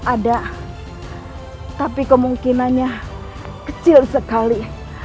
ada tapi kemungkinannya kecil sekali